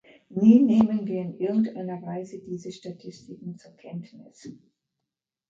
Nie nehmen wir in irgendeiner Weise diese Statistiken zur Kenntnis.